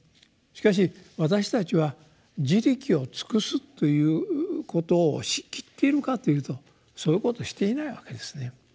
しかし私たちは「自力を尽くす」ということをしきっているかというとそういうことをしていないわけですね。